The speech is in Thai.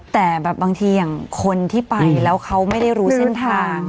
แต่แบบบางทีอย่างคนที่ไปแล้วเขาไม่ได้รู้เส้นทาง